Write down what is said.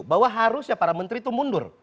bahwa harusnya para menteri itu mundur